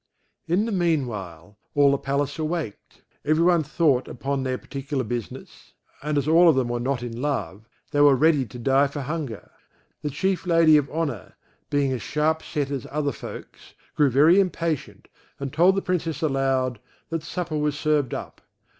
[Illustration: "HE SAW, UPON A BED, THE FINEST SIGHT WAS EVER BEHELD"] In the mean while, all the palace awaked; every one thought upon their particular business; and as all of them were not in love, they were ready to die for hunger; the chief lady of honour, being as sharp set as other folks, grew very impatient, and told the Princess aloud, That supper was served up.